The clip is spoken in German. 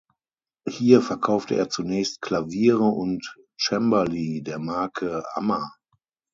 Hier verkaufte er zunächst Klaviere und Cembali der Marke "Ammer".